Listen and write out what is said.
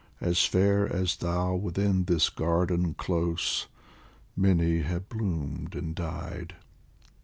As fair as thou within this garden close, Many have bloomed and died."